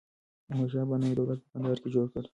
احمدشاه بابا نوی دولت په کندهار کي جوړ کړ.